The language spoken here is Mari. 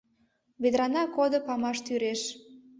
Ведрана кодо памаш тӱреш